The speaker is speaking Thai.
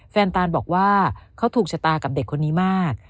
ตานบอกว่าเขาถูกชะตากับเด็กคนนี้มาก